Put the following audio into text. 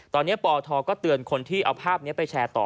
ตอนนี้ปทก็เตือนคนที่เอาภาพนี้ไปแชร์ต่อ